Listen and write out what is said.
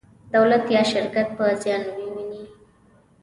دولت یا شرکت به زیان وویني.